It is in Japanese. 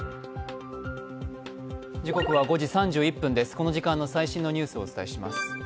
この時間の最新のニュースをお伝えします。